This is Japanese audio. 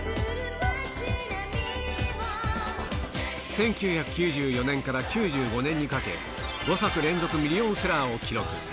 １９９４年から９５年にかけ、５作連続ミリオンセラーを記録。